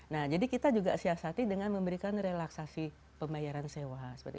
nah jadi kita juga siasati dengan memberikan relaksasi pembayaran sewa